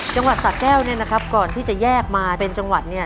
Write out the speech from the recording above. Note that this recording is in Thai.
สะแก้วเนี่ยนะครับก่อนที่จะแยกมาเป็นจังหวัดเนี่ย